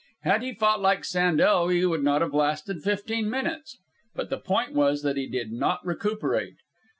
Had he fought like Sandel, he would not have lasted fifteen minutes. But the point was that he did not recuperate.